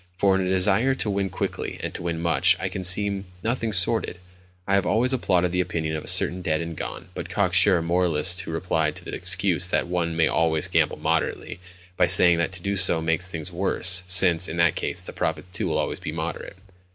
For in a desire to win quickly and to win much I can see nothing sordid; I have always applauded the opinion of a certain dead and gone, but cocksure, moralist who replied to the excuse that "one may always gamble moderately", by saying that to do so makes things worse, since, in that case, the profits too will always be moderate.